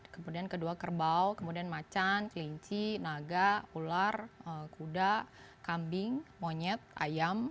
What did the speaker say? kemudian kedua kerbau kemudian macan kelinci naga ular kuda kambing monyet ayam